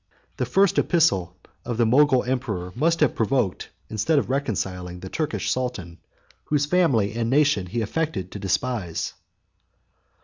The first epistle 28 of the Mogul emperor must have provoked, instead of reconciling, the Turkish sultan, whose family and nation he affected to despise.